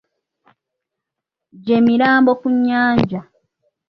Gye mirambo ku nnyanja.